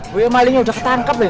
boyo malingnya udah ketangkep deh